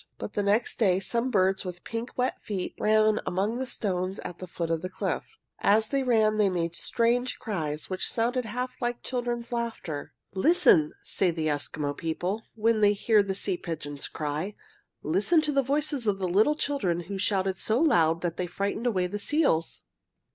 But the next day some birds with pink wet feet ran about among the stones at the foot of the cliffs. As they ran they made strange cries which sounded half like children's laughter. "Listen," say the Eskimo people, when they hear the sea pigeons cry, "Listen to the voices of the little children who shouted so loud that they frightened away the seals!"